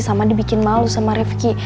sama dibikin malu sama rifki